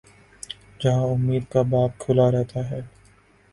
جہاں امید کا باب کھلا رہتا ہے۔